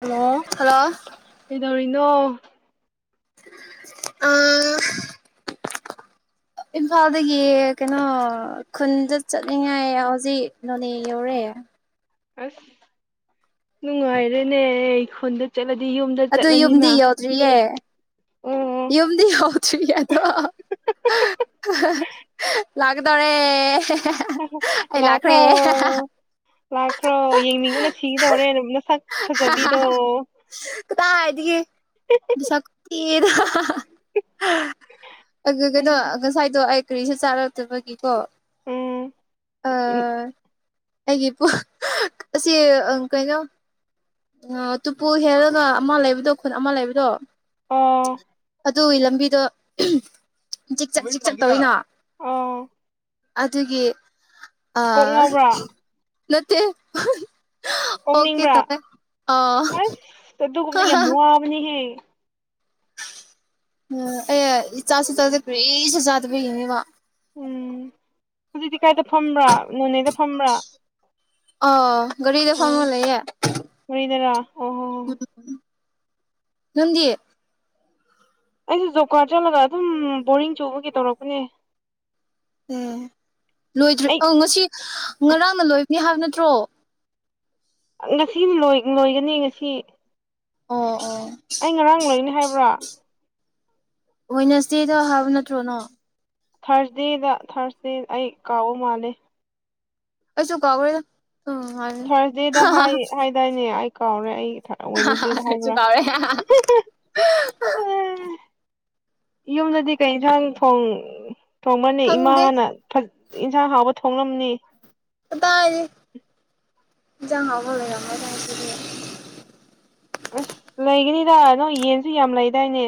hello ꯍꯗꯧꯔꯤꯅꯣ ꯑ ꯏꯝꯐꯥꯜꯗꯒꯤ ꯀꯩꯅꯣ ꯈꯨꯟꯗ ꯆꯠꯅꯤꯡꯉꯥꯏ ꯍꯧꯖꯤꯛ ꯅꯣꯅꯦ ꯌꯧꯔꯑꯦ ꯑꯁ ꯅꯨꯡꯉꯥꯏꯔꯦꯅꯦ ꯑꯩꯈꯣꯟꯗ ꯆꯠꯂꯒꯦ ꯑꯗꯨ ꯌꯨꯝꯗꯤ ꯌꯧꯗ꯭ꯔꯤꯌꯦ ꯎꯝ ꯌꯨꯝꯗꯤ ꯍꯧ ꯆꯔꯤ ꯑꯗꯣ ꯂꯥꯛꯗꯔꯦ ꯂꯥꯛꯈ꯭ꯔꯣ ꯂꯥꯛꯈ꯭ꯔꯣ ꯌꯦꯡꯅꯤꯡꯉꯅ ꯁꯤꯒꯗꯧꯔꯦ ꯑꯗꯨꯝꯅꯁꯛ ꯐꯖꯕꯤꯗꯣ ꯀꯗ [unintelligible] ꯀꯩꯅꯣ ꯉꯁꯥꯏꯗꯣ ꯑꯩ ꯀꯔꯤꯁꯨꯦ ꯆꯥꯔꯛꯇꯕꯒꯤꯀꯣ ꯎꯝ ꯑꯥ ꯑꯩꯒꯤ ꯑꯁꯤ ꯀꯩꯅꯣ ꯎ ꯇꯨꯄꯨ ꯍꯦꯜꯂꯒ ꯑꯃ ꯂꯩꯕꯗꯣ ꯈꯨꯟ ꯑꯃ ꯂꯩꯕꯗꯣ ꯑꯥ ꯑꯗꯨꯒꯤ ꯂꯝꯕꯤꯗꯣ ꯆꯖꯤꯛ ꯆ ꯆꯖꯤꯛ ꯆꯠ ꯇꯧꯔꯤꯅꯣ ꯑꯥ ꯑꯗꯨꯒꯤ ꯑꯥ ꯉꯥꯎꯕ꯭ꯔꯥ ꯅꯇꯦ ꯑꯣꯀꯦ ꯀꯣꯛꯅꯤꯡꯕ꯭ꯔꯥ ꯇꯃꯦ ꯑꯁ ꯇ ꯌꯥꯝꯃꯅꯤ [inaudible] ꯎꯝ ꯑꯩ ꯏꯆꯥꯁꯨ ꯆꯥꯗ ꯄꯔꯤꯁꯨ ꯆꯥꯗꯕ ꯍꯅꯤꯕ ꯎꯝ ꯑꯗꯨ ꯀ ꯀꯥꯏꯗ ꯐꯝꯕ꯭ꯔꯥ ꯅꯣꯅꯦꯗ ꯐꯝꯕ꯭ꯔꯥ ꯑꯣ ꯒꯥꯔꯤꯗ ꯑꯣ ꯐꯪꯉ ꯂꯩꯌꯦ ꯃꯔꯤꯗꯔꯥ ꯑꯣ ꯍꯣ ꯍꯣ ꯎ ꯅꯗꯤ ꯑꯩꯁꯨꯦ ꯖꯣꯕ ꯀꯥꯔꯗ ꯆꯠꯂꯒ ꯑꯗꯨꯝ ꯕꯣꯔꯤꯡ ꯆꯨꯕꯒꯤ ꯇꯧꯔꯛꯄꯅꯦ ꯑꯦ ꯂꯣꯏꯗ꯭ꯔꯦ ꯑꯩ ꯑ ꯉꯁꯤ ꯉꯔꯥꯡꯅ ꯂꯣꯏꯕꯅꯤ ꯍꯥꯏꯕ ꯅꯠꯇ ꯇ꯭ꯔꯣ ꯉꯁꯤꯅꯤꯏ ꯂꯣꯏꯒꯅꯤ ꯉꯁꯤ ꯑꯣ ꯑꯣ ꯑꯩ ꯉꯔꯥꯡ ꯂꯣꯏꯅꯤ ꯍꯥꯏꯕ꯭ꯔꯥ ꯋꯥꯏꯅꯁꯗꯦꯗꯣ ꯍꯥꯏꯕ ꯅꯠꯇ꯭ꯔꯣꯅꯣ ꯊꯥꯔꯁꯗꯦꯗ ꯊꯥꯔꯁꯗꯦ ꯑꯩ ꯀꯥꯎꯑꯣ ꯃꯥꯜꯂꯦ ꯑꯩꯁꯨ ꯀꯕꯣꯏ ꯊꯥꯔꯁꯗꯦꯗ ꯍꯥꯏ ꯍꯥꯏꯗꯥꯏꯅꯦ ꯀꯥꯎꯔꯦ ꯑꯩ ꯋꯥꯏꯅꯁ ꯗꯦꯗꯥ ꯑꯩꯁꯨ ꯍꯥꯏꯕ꯭ꯔꯥ ꯀꯥꯎꯔꯦ ꯌꯨꯝꯗꯗꯤ ꯀꯩꯟꯁꯥꯡ ꯊꯣꯡ ꯇꯣꯡꯃꯅꯤ ꯈꯪꯗꯦ ꯏꯃꯥꯅ ꯊꯥ ꯠ ꯏꯟꯁꯥꯡ ꯍꯥꯎꯕ ꯊꯣꯡꯂꯝꯅꯤ ꯀꯗꯥꯏ ꯗꯩ ꯏꯟꯖꯥꯡ ꯍꯥꯑꯣꯕꯥ ꯂꯩꯔꯥꯃꯦ ꯒꯥꯏ ꯍꯥꯏꯁꯗꯤ ꯑꯁ ꯂꯩꯒꯅꯤꯗ ꯅꯣꯏ ꯌꯦꯟꯁꯨ ꯌꯥꯝ ꯂꯩꯗꯥꯏꯅꯦ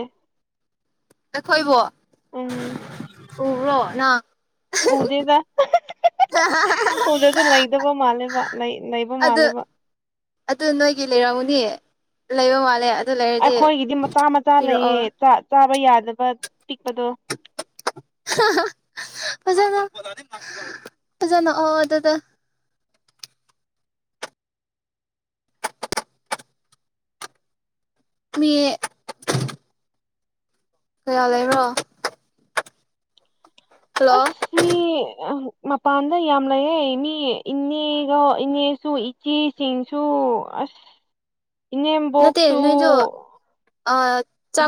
ꯑꯩꯈꯣꯏꯕꯣ ꯎꯝ ꯍꯨꯃꯨꯔꯣ ꯅꯥ ꯎꯗꯦꯗ ꯎꯗꯁꯨ ꯂꯩꯗꯕ ꯃꯥꯜꯂꯦꯕ ꯂꯩꯕ ꯑꯗꯨ ꯃꯥꯜꯂꯦꯕ ꯂꯩꯕꯣ ꯃꯥꯂꯦ ꯑꯩꯈꯣꯏꯒꯤꯗꯤ ꯃꯆꯥ ꯃꯆꯥ ꯂꯩꯌꯦ ꯆꯥꯏ ꯆꯥꯏ ꯕ ꯌꯥꯗꯕ ꯄꯤꯛꯄꯗꯣ ꯐꯥꯖꯅꯥ ꯐꯖꯥꯅꯥ ꯑꯣ ꯑꯗꯨꯗꯣ ꯃꯤ ꯀꯌꯥ ꯂꯩꯕ꯭ꯔꯣ ꯍꯜꯂꯣ ꯑꯁ ꯃꯤ ꯃꯄꯥꯟꯗ ꯌꯥꯝ ꯂꯩꯑ ꯃꯤ ꯏꯅꯦꯒ ꯏꯅꯦꯁꯨ ꯏꯆꯦꯁꯤꯡꯁꯨ ꯑꯁ ꯅꯠꯇꯦ ꯏꯅꯦꯝꯕꯣꯛꯁꯨ ꯅꯣꯏꯗꯣ ꯑꯥ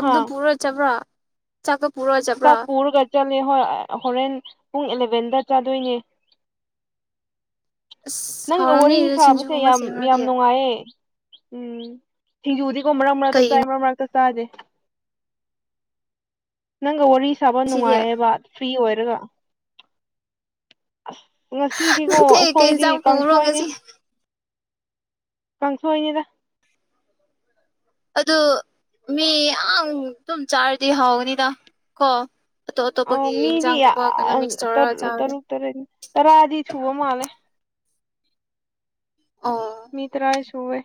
ꯍꯥ ꯄꯨꯔ ꯆꯕ꯭ꯔꯣ ꯆꯥꯀꯞ ꯄꯨꯔꯣꯆꯥꯏꯕ꯭ꯔꯥ ꯆꯠꯂ ꯍꯣꯏ ꯍꯣꯔꯦꯟ ꯄꯨꯡ ꯑꯦꯂꯚꯦꯟꯗ ꯆꯥꯗꯣꯏꯅꯦ ꯑꯁ ꯅꯡꯒ ꯍꯥꯎꯔꯝꯅꯤ ꯋꯥꯔꯤ ꯑꯗꯨ ꯁꯥꯕꯁꯦ ꯁꯤꯡꯖꯨꯒꯨꯝꯕ ꯌꯥꯝ ꯁꯦꯝꯃꯗꯤ ꯌꯥꯝ ꯅꯨꯡꯉꯥꯏꯌꯦ ꯎꯝ ꯁꯤꯡꯖꯤ ꯗꯤꯞ ꯃꯔ ꯃꯔ ꯇꯥ ꯀꯩ ꯆꯥꯏ ꯃꯔ ꯃꯔꯇꯥ ꯆꯥꯗꯦ ꯅꯡ ꯒꯥ ꯋꯥꯔꯤ ꯆꯕ ꯉꯁꯤꯗꯤ ꯅꯨꯡꯉꯥꯏꯌꯦꯕ ꯐ꯭ꯔꯤ ꯑꯣꯏ ꯗꯦꯒꯥ ꯑꯁ ꯉꯁꯤꯗꯤꯀꯣ ꯅꯠꯇꯦ ꯀꯩ ꯑꯩꯈꯣꯏꯗꯤ ꯌꯦꯟꯁꯥꯡ ꯄꯨꯕ꯭ꯔꯣ ꯀꯥꯡꯊꯣꯏꯅꯤ ꯉꯁꯤ ꯀꯥꯡꯪꯁꯣ ꯑꯣꯏꯅꯤꯗ ꯑꯗꯨ ꯃꯤ ꯑꯗꯨꯝ ꯆꯥꯔꯗꯤ ꯍꯥꯎꯅꯤꯗ ꯀꯣ ꯑꯇꯣꯞ ꯑ ꯑꯇꯣꯞꯄꯒꯤ ꯃꯤꯗꯤ ꯏꯟꯖꯥꯡꯒꯨꯝꯕ ꯀꯩꯅꯣ ꯃꯤꯛꯁ ꯇꯧꯔꯒ ꯆꯥꯕꯗ ꯇꯔꯨꯛ ꯇꯔꯦꯠ ꯇꯔꯥꯗꯤ ꯁꯨꯕ ꯃꯥꯜꯂꯦ ꯑ ꯃꯤ ꯇꯔꯑ ꯁꯨꯦ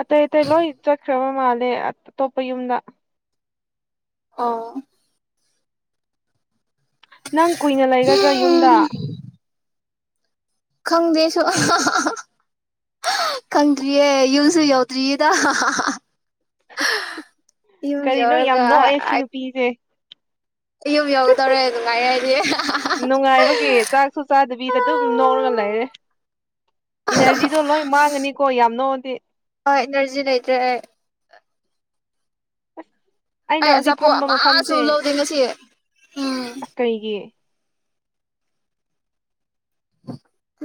ꯑ ꯏ ꯇ ꯂꯣ ꯏ ꯆ ꯀ꯭ꯔꯃ ꯃꯥꯂꯦ ꯊꯣꯞꯄ ꯌꯨꯝꯗ ꯑꯥ ꯅꯪ ꯀꯨꯏꯅ ꯂꯩꯒꯗ꯭ꯔꯥ ꯌꯨꯝꯗ ꯈꯪꯗꯦꯁꯣ ꯀꯪꯔꯤꯦ ꯌꯜꯁ ꯌꯥ ꯐꯔꯤꯗ ꯀꯔꯤꯅꯣ ꯌꯥꯝ ꯅꯣꯛꯑꯦ ꯁꯤ ꯅꯨꯄꯤꯁꯦ ꯑꯌꯨ ꯌꯎ ꯇꯧꯔꯦ ꯑꯗꯨ ꯉꯥꯏꯔ ꯌꯦ ꯅꯨꯡꯉꯥꯏꯕꯒꯤ ꯆꯥꯛꯁꯨ ꯆꯥꯗꯕꯤꯗ ꯑꯗꯨꯝ ꯅꯧꯔꯒ ꯂꯩꯔꯦ ꯏꯅꯔꯖꯤꯗꯣ ꯂꯣꯏ ꯃꯥꯡꯉꯅꯤꯀꯣ ꯌꯥꯝ ꯅꯣꯛꯉꯗꯤ ꯍꯣꯏ ꯏꯅꯔꯖꯤ ꯂꯩꯇ꯭ꯔꯦ ꯑꯁ ꯑꯩꯅ ꯑꯩ ꯍꯧꯖꯤꯛ ꯑꯆꯥꯄꯣꯠ ꯐꯝꯕ ꯑꯃꯁꯁꯨ ꯃꯐꯝꯁꯦ ꯂꯧꯗꯦ ꯉꯁꯤ ꯎꯝ ꯑꯁ ꯀꯩꯒꯤ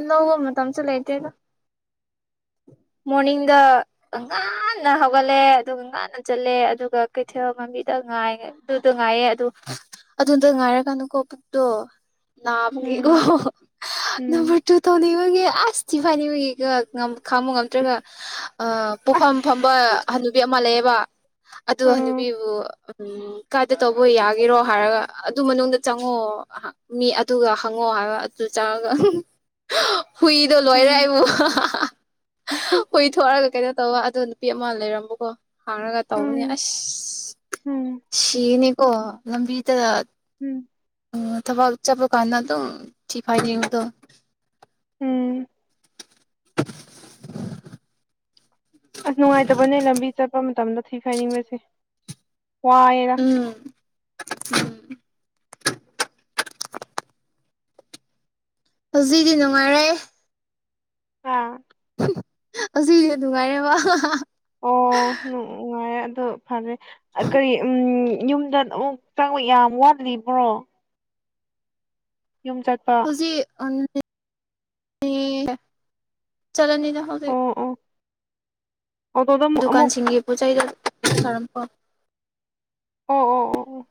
ꯅꯒꯣ ꯃꯝ ꯆ ꯂꯩꯥꯏꯇꯦꯅ ꯃꯣꯔꯅꯤꯡꯗ ꯉꯥꯟꯟꯅ ꯍꯧꯒꯠꯂꯦ ꯑꯗꯨꯒ ꯉꯥꯟꯟꯅ ꯆꯠꯂꯦ ꯑꯗꯨꯒ ꯀꯩꯊꯦꯜ ꯃꯕꯤꯗ ꯉꯥꯏ ꯑꯗꯨꯗ ꯉꯥꯏꯑꯦ ꯑꯗꯨ ꯑꯗꯨꯗ ꯉꯥꯏꯔꯒꯅꯨꯀꯣ ꯄꯨꯛꯇꯣ ꯅꯒ ꯎꯝ ꯑꯣ ꯎꯝ ꯅꯝꯕꯔ ꯇꯨ ꯇꯧ ꯏꯒ ꯑꯁꯤ ꯐꯅꯤ ꯑꯣꯏꯒ ꯈꯪꯕꯨ ꯉꯝꯇ꯭ꯔꯒ ꯄꯐꯝ ꯑꯁ ꯐꯝꯕ ꯍꯅꯕꯤ ꯑꯃ ꯂꯩꯌꯦ ꯑꯗꯨꯒ ꯎꯝ ꯅꯨꯄꯤꯕꯨ ꯎ ꯀꯥꯏꯗ ꯇꯧꯕ ꯌꯥꯒꯦꯔꯣ ꯍꯥꯏꯔꯒ ꯑꯗꯨ ꯃꯅꯨꯡꯗ ꯆꯪꯉꯣꯑꯣ ꯃꯤ ꯑꯗꯨꯒ ꯍꯪꯉꫭ ꯍꯥꯏꯕ ꯑꯗꯨ ꯆꯪꯉꯒ ꯍꯨꯏꯗꯣ ꯎꯝ ꯂꯣꯏꯔꯦꯕꯨ [inaudible] ꯈꯔꯒ ꯀꯩꯅꯣ ꯇꯧꯕ ꯑꯗꯨꯒ ꯅꯨꯄꯤ ꯑꯃ ꯂꯩꯔꯝꯕꯣꯀꯣ ꯍꯥꯡꯔꯒ ꯇꯧꯅꯦ ꯎꯝ ꯑꯁ ꯎꯝ ꯁꯤꯅꯤ ꯑꯣ ꯂꯝꯕꯤꯗ ꯎꯝ ꯑꯣ ꯊꯕꯛ ꯆꯠꯄ ꯀꯥꯟꯗ ꯑꯗꯨꯣ ꯊꯤꯐꯥꯏꯗꯗꯣ ꯎꯝ [inaudible] ꯑꯁ ꯅꯨꯡꯉꯥꯏꯇꯕꯅꯦ ꯂꯝꯕꯤ ꯆꯠꯄ ꯃꯇꯝꯗ ꯊꯤꯐꯥꯏꯅꯤꯡꯕꯁꯦ ꯋꯥꯔ ꯎꯝ ꯍꯧꯖꯤꯛꯗꯤ ꯅꯨꯡꯉꯥꯏꯔꯦ ꯑ ꯑꯁꯤꯗꯤ ꯅꯨꯡꯉꯥꯏꯔꯦꯕ ꯑꯣꯥꯏ ꯑꯗꯨ ꯐꯦ ꯀꯔꯤ ꯎꯝ ꯌꯨꯝꯗ ꯑꯃꯨꯛ ꯆꯪ ꯌꯥꯝ ꯋꯥꯗ꯭ꯔꯤꯕ꯭ꯔꯣ ꯍꯧꯖꯤꯛ ꯊꯝ ꯆꯂꯅꯤꯅ ꯍꯧꯖꯤ ꯑꯣ ꯑꯣ ꯑꯣꯇꯣꯗ ꯑꯃꯨꯛ ꯑꯃꯨꯛ ꯗꯨꯀꯥꯟꯁꯤꯡꯒꯤ ꯄꯣꯠ ꯆꯩꯗꯔꯝ ꯑ ꯑꯣ ꯑꯣ ꯑꯣ ꯑꯣ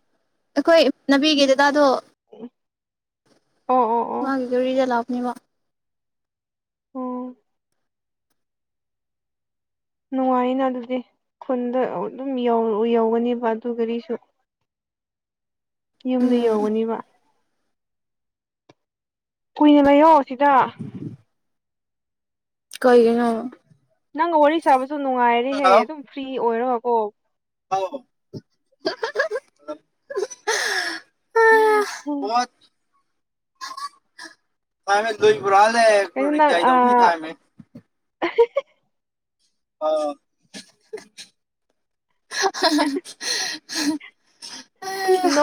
ꯑꯩꯈꯣꯏ ꯅꯅꯥꯕꯤꯒꯤ ꯗꯦꯗꯥꯗꯣ ꯑꯣ ꯑꯣ ꯑꯣ ꯒꯤꯖꯔꯤꯗꯂ ꯕ ꯑꯣ ꯅꯨꯡꯉꯥꯏꯅ ꯑꯗꯨꯗꯤ ꯈꯨꯟꯗ ꯑꯗꯨꯝ ꯌꯧꯒꯅꯦꯕ ꯑꯗꯨꯔꯤꯁꯨ ꯌꯨꯝꯗ ꯎꯝ ꯌꯧꯒꯅꯤꯕ ꯀꯨꯏꯅ ꯂꯩꯌꯣ ꯁꯤꯗ ꯀꯩꯒꯤꯅ ꯅꯪꯒ ꯋꯥꯔꯤ ꯁꯥꯕꯁꯨ ꯅꯨꯡꯉꯥꯏꯔꯦꯍꯦ ꯑꯗꯨꯝ ꯐ꯭ꯔꯤ ꯑꯣꯏꯔꯣꯀꯣ ꯍꯥꯎ ꯍꯥꯎ ꯎꯝ ꯇ ꯀꯩꯅꯣ ꯅꯪ ꯐꯨꯔꯥꯗꯦꯏꯗ ꯑꯥ ꯊꯃꯦ ꯑꯥꯎ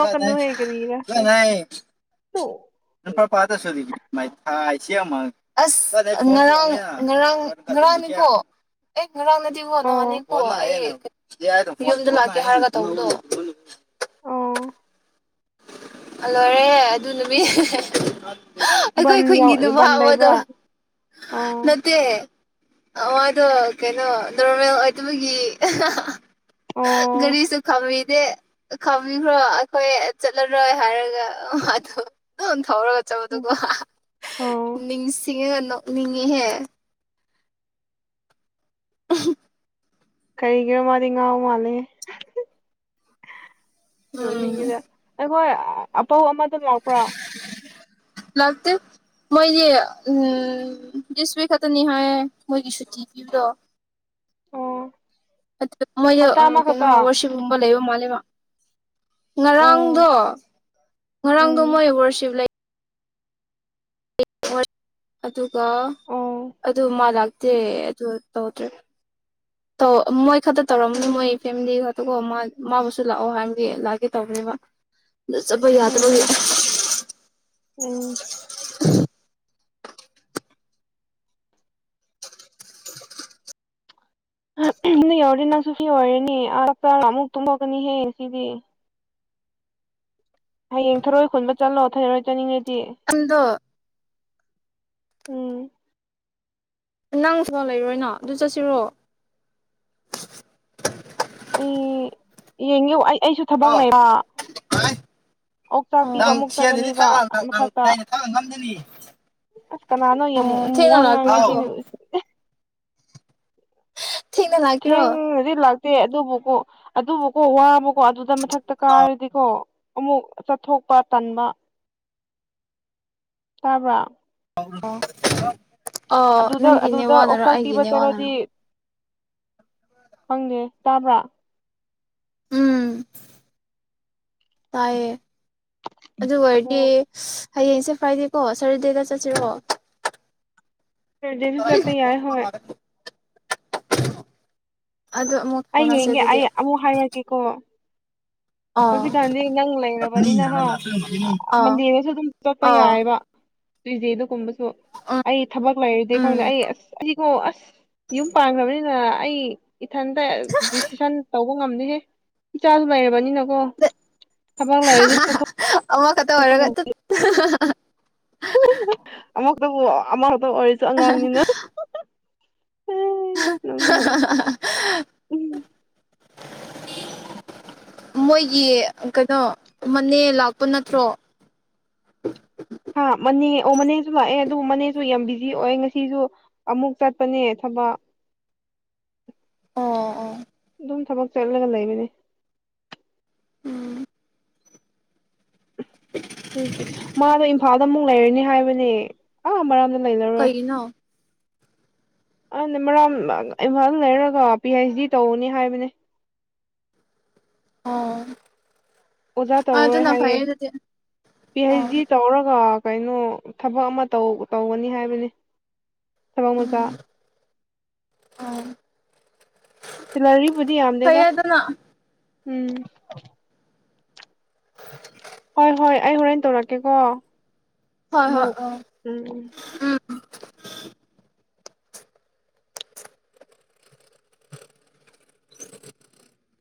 ꯀ ꯀꯔꯤꯔ ꯀꯅꯥ ꯏꯄꯥ ꯄꯥꯇ ꯁꯣꯗꯤ ꯃꯩꯊꯥꯏꯁꯤ ꯑꯃ ꯑꯁ ꯉꯔꯥꯡ ꯉꯔꯥꯡ ꯉꯔꯥꯡꯅꯤꯀꯣ ꯑꯦ ꯔꯪꯅꯗꯤꯕꯨꯅ ꯑꯅꯤ ꯑꯣ ꯀꯣ ꯣ ꯎ ꯂꯣꯏꯔꯦ ꯑꯗꯨ ꯅꯨꯄꯤ ꯕꯟ ꯑꯩꯈꯣꯏ ꯌꯥꯎ ꯈꯨꯟꯒꯤ ꯅꯨꯄꯥ ꯕꯟ ꯑꯃꯗꯣ ꯂꯩꯕ꯭ꯔꯥ ꯑꯣ ꯅꯠꯇꯦ ꯃꯗꯣ ꯀꯩꯅꯣ ꯅꯣꯔꯃꯦꯜ ꯑꯣꯏꯕꯒꯤ ꯑꯣ ꯔꯤꯁꯨꯨꯈꯕꯤ ꯈꯪꯕꯤꯈ꯭ꯔꯣ ꯑꯩꯈꯣꯏ ꯆꯠꯂꯔꯣꯏ ꯍꯥꯏꯔꯒꯥꯗ ꯍꯧꯔꯒ ꯆꯠꯕꯗꯨꯀꯣ ꯑꯣ ꯅꯤꯡꯁꯤꯡꯉꯒ ꯅꫭꯛꯅꯤꯡꯉꯤꯍꯦ [inaudible] ꯀꯔꯤꯒꯤꯔꯣ ꯃꯥꯗꯤ ꯉꯥꯎ ꯃꯥꯜꯂꯦ ꯎꯝ ꯑꯗ ꯑꯈꯣꯏ ꯑ ꯂ ꯄꯨ꯭ꯔꯥ ꯂꯥꯛꯇ ꯃꯣꯏꯒꯤ ꯎꯝ ꯤꯇꯅꯤꯍꯥꯏ ꯃꯣꯏꯒꯤ ꯁꯨꯇꯤ ꯄꯤꯌꯨꯗꯣ ꯑꯣ ꯃꯣꯏ ꯍꯞꯇꯥ ꯀꯩꯅꯣ ꯑꯃꯈꯛꯇ ꯋꯥꯔꯁꯤꯞꯒꯨꯝꯕ ꯂꯩꯕ ꯃꯥꯜꯂꯤꯕ ꯑꯣ ꯉꯔꯥꯡꯗꯣ ꯉꯔꯥꯡꯗꯣ ꯎꯝ ꯃꯣꯏ ꯔꯁꯤꯞ ꯂꯩ [inaudible] ꯑꯗꯨꯒ ꯑꯣ ꯑꯗꯨ ꯃꯥꯂꯛ ꯑꯗꯨ ꯇꯧꯗ꯭ꯔꯦ ꯇꯧ ꯃꯣꯏ ꯇꯔꯣ ꯃꯅ ꯃ ꯎꯝ ꯏ ꯐꯦꯝꯗꯤ ꯑꯗꯨꯒ ꯃꯥꯕꯨꯁꯨ ꯂꯥꯛꯑꯣ ꯍꯥꯏꯕꯒꯤ ꯂꯥꯛꯑꯒꯦ ꯇꯧꯕꯕ ꯆꯠꯄ ꯌꯥꯗꯕ ꯎꯝ ꯎꯝ [inaudible] ꯌꯧꯔ ꯅꯪꯁꯨ ꯐꯤ ꯑꯣꯏꯔꯦꯅꯤ ꯑꯛꯇ ꯑꯃꯨꯛ ꯇꯨꯝꯍꯣꯛꯀꯅꯤꯍꯦ ꯁꯤꯗꯤ ꯍꯌꯦꯡ ꯊꯔꯣꯏ ꯈꯨꯟꯕ ꯆꯠꯂꯣꯑꯣ ꯊꯩꯔꯣꯏ ꯆꯠꯅꯤꯡꯉꯦ ꯑꯗꯣ ꯎꯝ ꯅꯪꯁꯨꯐ ꯂꯩꯔꯣꯏꯅꯣ ꯑꯗꯨ ꯆꯠꯁꯤꯔꯣ ꯑ ꯌꯦꯡꯉ ꯑꯩꯁꯨ ꯊꯕꯛ ꯑꯣ ꯂꯩꯕ ꯍꯥꯏ ꯑꯛ ꯆꯥꯛ ꯄꯤꯕ ꯅꯪ ꯑꯃꯨꯛ ꯁꯦꯟꯗꯨꯗꯤ ꯆꯥꯒꯅꯦꯕ ꯊꯥꯛꯑ ꯅꯪ ꯃꯊꯛꯇ ꯌꯥꯏꯅ ꯊꯥꯛꯑ ꯉꯝꯗꯅꯤ ꯑꯁ ꯀꯅꯥꯅꯣ ꯌꯥꯝ ꯑꯣ ꯊꯦꯡꯅ ꯋꯥ ꯂꯥꯛꯀꯦꯔꯣ ꯉꯥꯡꯉꯦ ꯁꯤ ꯑꯗꯣ ꯊꯦꯡꯅ ꯂꯥꯛꯀꯦꯔꯣ ꯊꯦꯡ ꯑꯗꯨ ꯂ ꯇꯦ ꯑꯗꯨꯕꯨꯀꯣ ꯑꯗꯨꯕꯨꯀꯣ ꯋꯥꯕꯀꯣ ꯑꯗꯨꯗ ꯃꯊꯛꯇ ꯀꯥꯔꯗꯤꯀꯣ ꯑꯃꯨꯛ ꯆꯠꯊꯣꯛꯄ ꯇꯟꯕ ꯇꯥꯕ꯭ꯔ ꯍ ꯑꯗꯨꯗ ꯑꯗꯨꯗ ꯑꯣꯛꯆꯥꯛ ꯄꯤꯕ ꯆꯠꯂꯗꯤ ꯅꯦꯋꯥꯅꯔꯣ ꯈꯪꯉꯦ ꯇꯥꯕ꯭ꯔꯥ ꯎꯝ ꯇꯥꯏꯌꯦ ꯑꯗꯨ ꯑꯣꯏꯔꯗꯤ ꯑꯣ ꯍꯌꯦꯡꯁꯦ ꯐ꯭ꯔꯥꯏꯗꯦꯀꯣ ꯁꯇꯔꯗꯦꯗ ꯆꯠꯁꯤꯔꯣ ꯁꯟꯗꯦꯗ ꯆꯄ ꯌꯥꯏ ꯍꯦꯏ ꯑꯗꯨ ꯑꯃꯨꯛ ꯑꯩ ꯐꯥꯎꯅꯁꯦ ꯌꯦꯡꯒꯦ ꯑꯗꯨꯗꯤ ꯑꯩ ꯑꯃꯨꯛ ꯍꯥꯏꯔꯨꯔꯛꯀꯦꯀꯣ ꯑꯥ ꯍꯧꯖꯤꯛꯀꯥꯟꯗꯤ ꯅꯪ ꯂꯩꯔꯕꯅꯤꯅꯍ ꯑꯥ ꯃꯟꯗꯦꯗꯁꯨ ꯑꯗꯨꯝ ꯆꯣꯠꯄ ꯑꯥ ꯌꯥꯔꯦꯕ ꯗ ꯀꯨꯝꯕ ꯎꯝ ꯑꯩ ꯊꯕꯛ ꯂꯩꯔꯨꯗꯤꯦ ꯈꯪꯗꯦ ꯎꯝ ꯑꯩ ꯑꯁ ꯑꯣ ꯑꯁ ꯌꯨꯝ ꯄꯥꯡꯈ꯭ꯔꯕꯅꯤꯅ ꯑꯩ ꯏꯊꯟꯗ ꯗꯤꯁꯤꯁꯟ ꯇꯧ ꯉꯝꯗꯦꯍꯦ ꯏꯆꯥꯁꯨ ꯂꯩꯔꯕꯅꯤꯅ ꯊꯕꯥꯛ ꯂꯥꯏꯁꯇ ꯊ ꯑꯃ ꯀꯠꯇ ꯑꯣꯔꯒ ꯑꯃ ꯕꯨ ꯑꯃ ꯑꯣꯏꯔꯁꯨ ꯑꯉꯥꯡꯅꯤꯅ [inaudible] ꯎꯝ ꯃꯣꯏꯒꯤ ꯀꯩꯅꯣ ꯃꯅꯦ ꯂꯥꯛꯄ ꯅꯠꯇ꯭ꯔꯣ ꯍꯥ ꯃꯅꯦ ꯑꯣ ꯃꯅꯦꯁꯨ ꯂꯥꯛꯑꯦ ꯑꯗꯨꯕꯨ ꯃꯅꯦꯁꯨ ꯌꯥꯝ ꯕꯤꯖꯤ ꯑꯣꯏ ꯉꯁꯤꯁꯨ ꯑꯃꯨꯛ ꯆꯠꯄꯅꯦ ꯊꯕꯛ ꯑꯣ ꯑꯣ ꯁꯨꯝ ꯊꯕꯛ ꯆꯠꯂꯒ ꯂꯩꯕꯅꯤ ꯀ ꯃꯥꯅ ꯏꯝꯐꯥꯜꯗ ꯑꯃꯨꯛ ꯂꯩꯔꯅꯤ ꯍꯥꯏꯕꯅꯦ ꯑ ꯃꯔꯝ ꯂꯩꯔꯔꯣꯏ ꯀꯩꯒꯤꯅꯣ ꯑ ꯃꯔꯥꯡꯝ ꯏꯝꯐꯥꯜ ꯂꯩꯔꯒ ꯄꯤ ꯍꯩꯆ ꯗꯤ ꯇꯧꯅꯤ ꯍꯥꯏꯕꯅꯦ ꯑꯣ ꯑꯣꯖꯥ ꯇꯧꯔꯣꯏ ꯑꯗꯨꯅ ꯍꯥꯏꯌꯦꯦ ꯐꯩꯌꯦ ꯑꯗꯨꯗꯤ ꯄꯤ ꯍꯩꯆ ꯑꯣ ꯗꯤ ꯇꯧꯔꯒ ꯀꯩꯅꯣ ꯊꯕꯛ ꯑꯃꯧ ꯇꯧꯒꯅꯤ ꯍꯥꯏꯕꯅꯤ ꯊꯕꯛ ꯃꯆꯥ ꯑ ꯁꯦꯂꯔꯤ ꯕꯨꯗꯤ ꯌꯥꯝꯗꯦꯗ ꯎꯝ [inaudible] ꯍꯣꯏ ꯍꯣꯏ ꯑꯩ ꯍꯣꯔꯦꯟ ꯇꯧꯔꯛꯀꯦꯀꯣ ꯍꯣꯏ ꯍꯣꯏ ꯑ ꯑꯃꯨꯛ ꯎꯝ ꯎꯝ